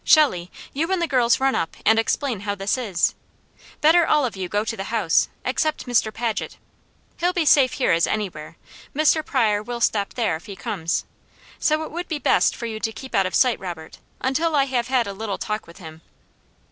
Shelley, you and the girls run up and explain how this is. Better all of you go to the house, except Mr. Paget. He'll be safe here as anywhere. Mr. Pryor will stop there, if he comes. So it would be best for you to keep out of sight, Robert, until I have had a little talk with him."